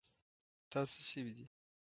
په تا څه شوي دي.